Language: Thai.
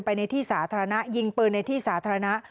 ในที่สาธารณะยิงปืนในที่สาธารณะ